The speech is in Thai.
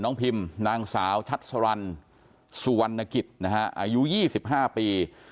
น้องพิมนางสาวชัดสรรสวรรณกิจอายุ๒๕ปี